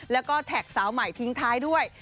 แล้วก็แท็กสาวใหม่ทิ้งท้ายด้วย